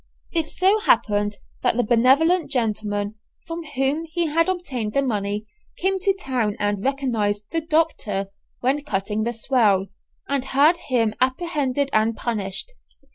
It so happened that the benevolent gentleman from whom he had obtained the money came to town and recognized the "Doctor," when cutting the swell, and had him apprehended and punished.